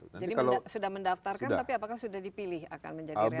jadi sudah mendaftarkan tapi apakah sudah dipilih akan menjadi relawan atau